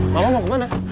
mama mau kemana